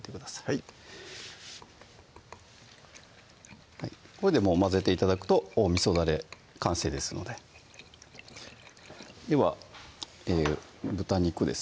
はいこれでもう混ぜて頂くとみそだれ完成ですのででは豚肉ですね